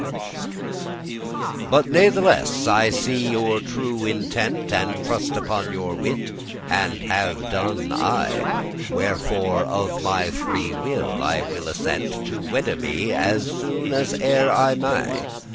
* *servitude "But natheless I see your true intent, And trust upon your wit, and have done aye: Wherefore of my free will I will assent To wedde me, as soon as e'er I may.